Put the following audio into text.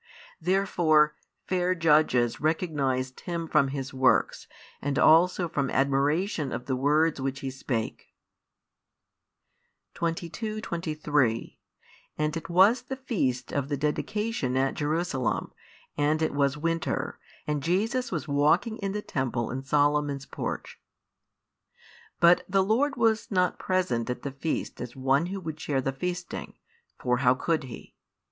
Therefore, fair judges recognised Him from His works and also from admiration of the words which He spake. 22, 23 And it was the feast of the dedication at Jerusalem, and it was winter; and Jesus was walking in the temple in Solomon's porch. But the Lord was not present at the feasts as one Who would share the feasting, for how could He?